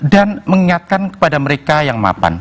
dan mengingatkan kepada mereka yang mapan